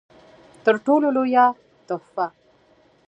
تر ټولو لويه تحفه